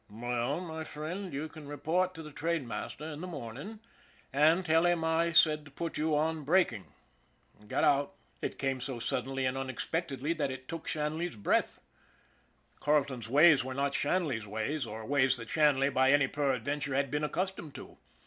" Well, my friend, you can report to the trainmaster in the morning and tell him I said to put you on breaking. Get out !" It came so suddenly and unexpectedly that it took Shanley's breath. Carleton's ways were not Shanley's ways, or ways that Shanley by any peradventure had been accustomed to.